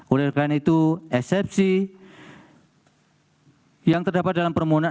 oleh karena itu eksepsi yang terdapat dalam permohonan